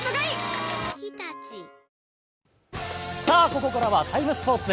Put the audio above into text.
ここからは「ＴＩＭＥ，スポーツ」。